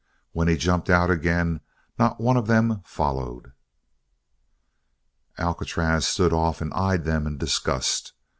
When he jumped out again not one of them followed. Alcatraz stood off and eyed them in disgust.